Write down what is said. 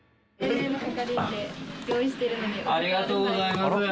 ありがとうございます。